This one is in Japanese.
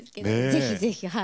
是非是非はい。